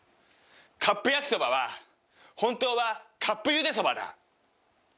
カップ焼きそばは本当はカップゆでそばだ。